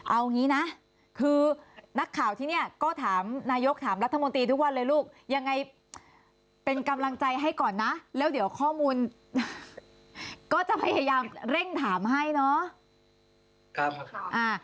เอางี้นะคือนักข่าวที่เนี่ยก็ถามนายกถามรัฐมนตรีทุกวันเลยลูกยังไงเป็นกำลังใจให้ก่อนนะแล้วเดี๋ยวข้อมูลก็จะพยายามเร่งถามให้เนาะ